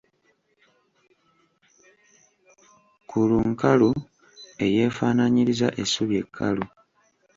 Kulunkalu eyeefaanaanyiriza essubi ekkalu.